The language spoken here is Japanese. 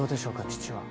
父は。